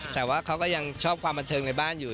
แต่ว่าเขาก็ยังชอบความบันเทิงในบ้านอยู่